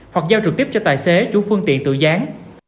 hoặc giao trực tiếp cho tài xế chủ phương tiện tự gián